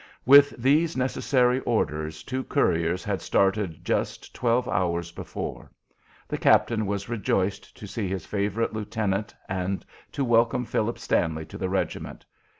With these necessary orders two couriers had started just twelve hours before. The captain was rejoiced to see his favorite lieutenant and to welcome Philip Stanley to the regiment.